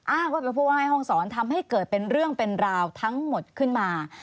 อ้างว่าเป็นผู้ว่าแม่ห้องสอนทำให้เกิดเป็นเรื่องเป็นราวทั้งหมดขึ้นมา